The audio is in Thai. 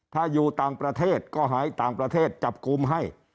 ถ้าอยู่ต่างประเทศก็ให้ต่างประเทศจับกลุ่มให้